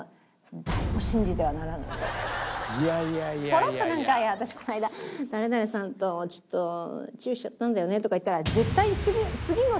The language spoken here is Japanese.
ポロッとなんか「私この間誰々さんとちょっとチューしちゃったんだよね」とか言ったら。